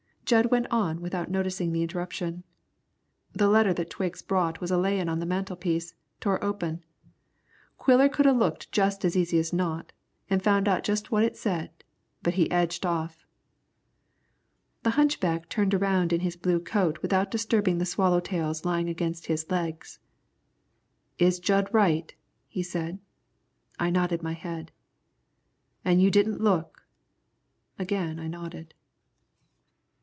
Jud went on without noticing the interruption. "The letter that Twiggs brought was a layin' on the mantelpiece, tore open. Quiller could a looked just as easy as not, an' a found out just what it said, but he edged off." The hunchback turned around in his blue coat without disturbing the swallowtails lying against his legs. "Is Jud right?" he said. I nodded my head. "An' you didn't look?" Again I nodded.